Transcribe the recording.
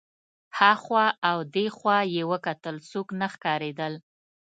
هخوا او دېخوا یې وکتل څوک نه ښکارېدل.